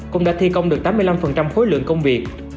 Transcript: cũng đã thi công được tám mươi năm khối lượng công việc